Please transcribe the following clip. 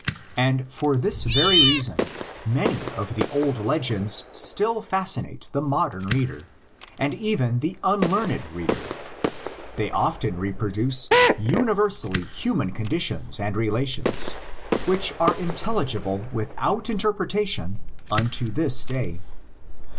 And for this very reason many of the old legends still fascinate the modern reader, and even the unlearned reader; they often repro duce universally human conditions and relations which are intelligible without interpretation unto this day.